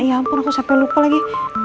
ya ampun aku sampai lupa lagi